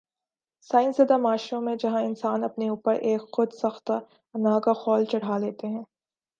science زدہ معاشروں میں جہاں انسان اپنے اوپر ایک خود ساختہ انا کا خول چڑھا لیتے ہیں